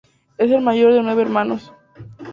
Es el mayor de nueve hermanos.